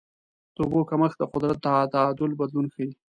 د اوبو کمښت د قدرت د تعادل بدلون ښيي.